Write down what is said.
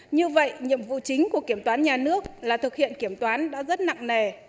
như vậy nhiệm vụ chính của kiểm toán nhà nước là thực hiện kiểm toán đã rất nặng nề